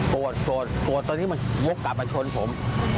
โกรธตอนนี้มันโว๊คกลับมาชนผม